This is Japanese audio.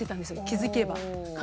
気付けば。